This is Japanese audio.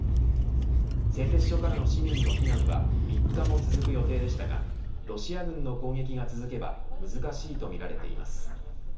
製鉄所からの市民の避難は３日も続く予定でしたがロシア軍の攻撃が続けば難しいとみられています。